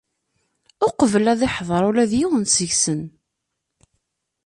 Uqbel a d-iḥder ula d yiwen seg-sen.